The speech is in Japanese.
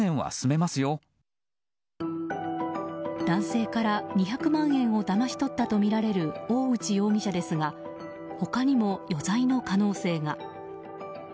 男性から２００万円をだまし取ったとみられる大内容疑者ですが他にも余罪の可能性が。